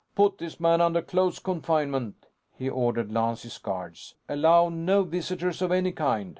"Put this man under close confinement," he ordered Lance's guards. "Allow no visitors of any kind."